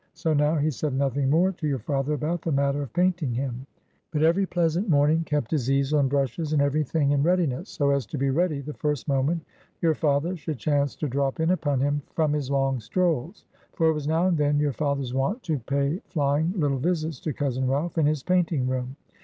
So now he said nothing more to your father about the matter of painting him; but every pleasant morning kept his easel and brushes and every thing in readiness; so as to be ready the first moment your father should chance to drop in upon him from his long strolls; for it was now and then your father's wont to pay flying little visits to cousin Ralph in his painting room.